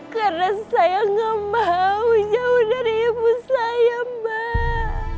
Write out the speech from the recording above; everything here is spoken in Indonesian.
karena saya gak mau jauh dari ibu saya mbak